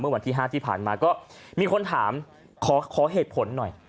วันที่๕ที่ผ่านมาก็มีคนถามขอเหตุผลหน่อย